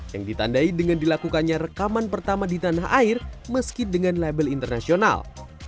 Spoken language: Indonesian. yang ditandai dengan dilakukannya rekaman pertama di tanah air meski dengan label internasional